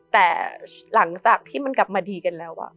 แต่หลังจากที่มันกลับมาดีกันแล้ว